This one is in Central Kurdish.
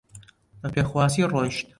بە پێخواسی ڕۆیشت